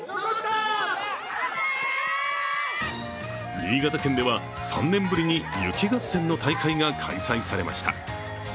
新潟県では３年ぶりに雪合戦の大会が開催されました。